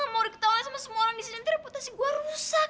gue gak mau diketawain sama semua orang di sini nanti reputasi gue rusak